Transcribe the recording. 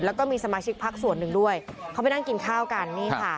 แล้วก็มีสมาชิกพักส่วนหนึ่งด้วยเขาไปนั่งกินข้าวกันนี่ค่ะ